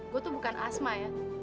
gue tuh bukan asma ya